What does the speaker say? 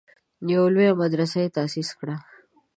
یوه لویه مدرسه یې تاسیس کړه.